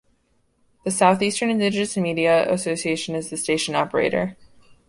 The South Eastern Indigenous Media Association is the station operator.